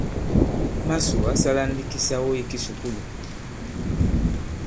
Màsò ǎ sālā ndī kisawo ī kisùkulù.